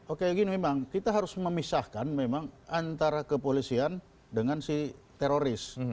oke gini memang kita harus memisahkan memang antara kepolisian dengan si teroris